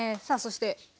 さあそして。